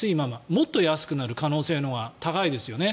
もっと安くなる可能性のほうが高いですよね。